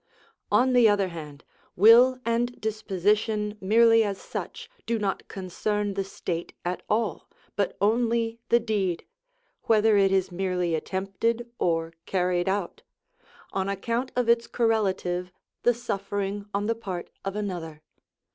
On the other hand, will and disposition, merely as such, do not concern the state at all, but only the deed (whether it is merely attempted or carried out), on account of its correlative, the suffering on the part of another.